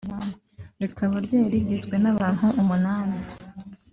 rikaba ryari rigizwe n’abantu umunani